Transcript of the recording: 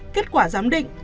kết quả giám định